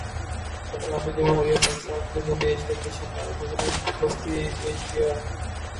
اسلامی جمہوریہ پاکستان جنوبی ایشیا کے شمال مغرب وسطی ایشیا